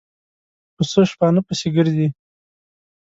پسه شپانه پسې ګرځي.